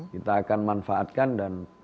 kita akan manfaatkan dan